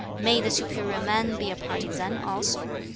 May the superior man be a partisan also?